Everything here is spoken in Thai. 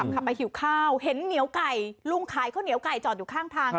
ขับไปหิวข้าวเห็นเหนียวไก่ลุงขายข้าวเหนียวไก่จอดอยู่ข้างทาง